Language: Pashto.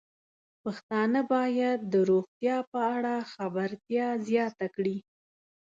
پښتانه بايد د روغتیا په اړه خبرتیا زياته کړي.